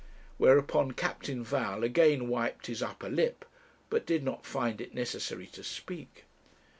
Whereupon Captain Val again wiped his upper lip, but did not find it necessary to speak.